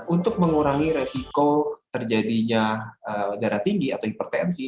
untuk mengurangi resiko terjadinya darah tinggi atau hipertensi